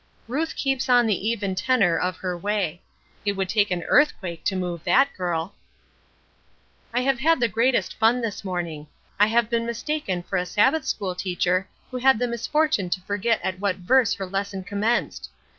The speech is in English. "Ruth keeps on the even tenor of her way. It would take an earthquake to move that girl. "I have had the greatest fun this morning. I have been mistaken for a Sabbath school teacher who had the misfortune to forget at what verse her lesson commenced!